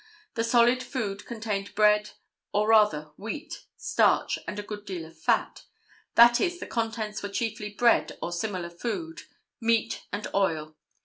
The solid food contained bread or rather wheat, starch and a good deal of fat. That is, the contents were chiefly bread, or similar food, meat and oil.